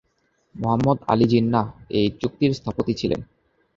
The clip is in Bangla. মুহাম্মদ আলি জিন্নাহ এই চুক্তির স্থপতি ছিলেন।